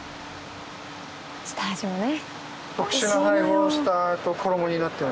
下味をね。